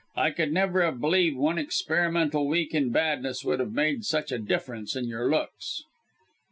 I could never have believed one experimental week in badness would have made such a difference to your looks."